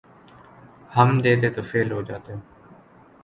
ہم دیتے تو فیل ہو جاتے